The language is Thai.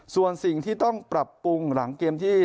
ส่วนสิ่งที่ต้องปรับปรุงหลังเกมที่